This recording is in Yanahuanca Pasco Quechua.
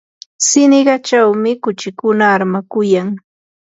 siniqachawmi kuchikuna armakuyan.